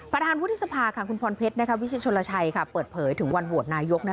ประธานวุฒิสภาคุณพรเพชรวิชิตชนลชัยเปิดเผยถึงวันโหวตนายก